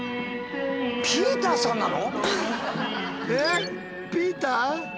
ピーターさんなの！？